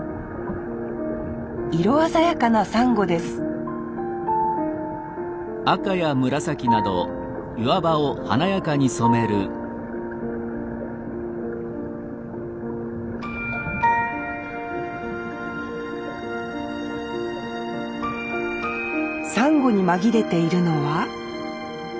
色鮮やかなサンゴですサンゴに紛れているのは。